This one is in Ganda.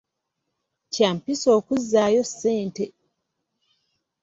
Kya mpisa okuzzaayo ssente